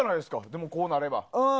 でも、こうなれば。